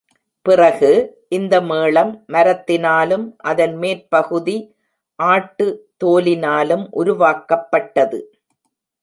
பிறகு, இந்த மேளம் மரத்தினாலும் அதன் மேற்பகுதி ஆட்டு தோலினாலும் உருவாக்கப்பட்டது.